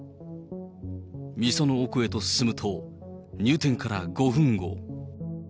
店の奥へと進むと、入店から５分後。